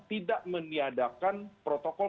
tidak meniadakan protokol